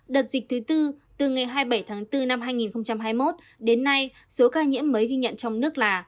đợt dịch thứ tư từ ngày hai mươi bảy tháng bốn năm hai nghìn hai mươi một đến nay số ca nhiễm mới ghi nhận trong nước là